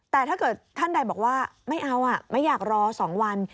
แต่ถ้าเกิดท่านใดบอกว่าไม่เอาไม่อยากรอ๒วัน